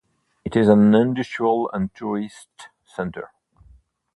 It is an industrial and tourist centre.